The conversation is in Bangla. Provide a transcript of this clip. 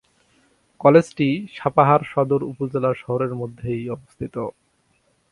কলেজটি সাপাহার সদর উপজেলা শহরের মধ্যেই অবস্থিত।